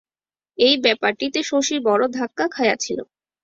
এই ব্যাপারটিতে শশী বড় ধাক্কা খাইয়াছিল!